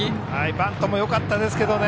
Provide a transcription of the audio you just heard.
バントもよかったですが。